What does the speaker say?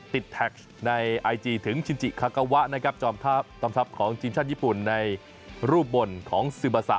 แท็กในไอจีถึงชินจิคากาวะนะครับจอมทัพตอมทัพของทีมชาติญี่ปุ่นในรูปบ่นของซึบาซะ